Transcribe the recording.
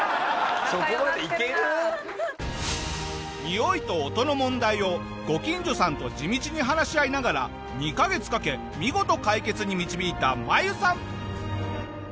においと音の問題をご近所さんと地道に話し合いながら２カ月かけ見事解決に導いたマユさん。